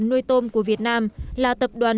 nuôi tôm của việt nam là tập đoàn